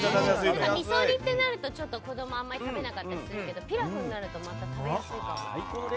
味噌煮ってなると子供あんまり食べなかったりするけどピラフになるとまた食べやすいかも。